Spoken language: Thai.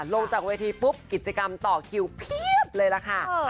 ล้มจาก๑๙๖๒กิจกรรมต่อคิวเพียบเลยละค่ะ